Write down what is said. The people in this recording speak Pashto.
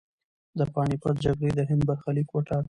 د پاني پت جګړې د هند برخلیک وټاکه.